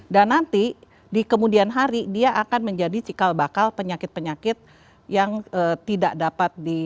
dan nanti di kemudian hari dia akan menjadi cikal bakal penyakit penyakit yang tidak dapat di